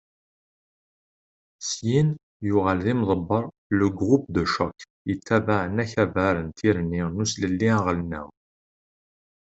Syin, yuɣal d imḍebber n "Le groupe de choc" yettabaɛen akabar n Tirni n uslelli aɣelnaw.